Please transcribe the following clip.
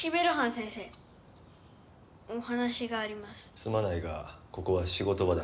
すまないがここは仕事場だ。